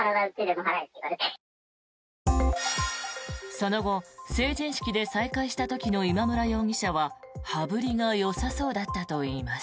その後、成人式で再会した時の今村容疑者は羽振りがよさそうだったといいます。